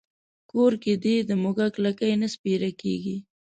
کور کې دې د موږک لکۍ نه سپېره کېږي.